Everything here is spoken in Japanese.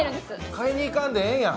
買いに行かんでええんや。